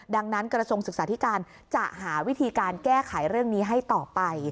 ดังนั้นกระทรวงศึกษาธิการจะหาวิธีการแก้ไขเรื่องนี้ให้ต่อไป